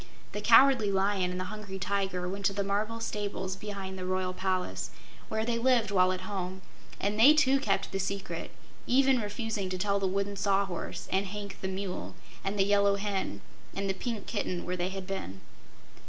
The Cowardly Lion and the Hungry Tiger went to the marble stables behind the Royal Palace, where they lived while at home, and they too kept the secret, even refusing to tell the Wooden Sawhorse, and Hank the Mule, and the Yellow Hen, and the Pink Kitten where they had been.